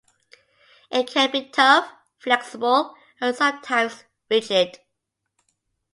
It can be tough, flexible, and sometimes rigid.